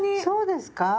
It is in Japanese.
そうですか？